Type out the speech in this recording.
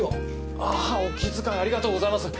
あぁお気遣いありがとうございます。